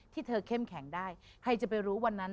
ที่เธอเข้มแข็งได้ใครจะไปรู้วันนั้น